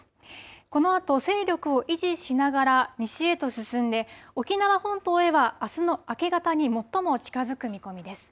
このあと、勢力を維持しながら西へと進んで、沖縄本島へはあすの明け方に最も近づく見込みです。